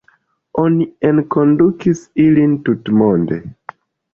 Oni enkondukis ilin tutmonde.